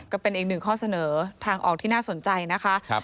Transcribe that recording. ก็เป็นอีกหนึ่งข้อเสนอทางออกที่น่าสนใจนะคะ